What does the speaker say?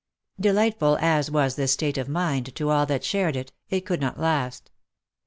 Delightful as was this state of mind to all that shared it, it could not last.